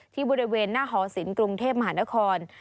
ที่บริเวณหน้าหอศิลป์กรุงเทพมหานคร